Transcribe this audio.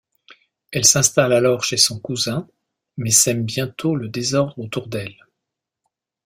Elle s'installe alors chez son cousin, mais sème bientôt le désordre autour d'elle...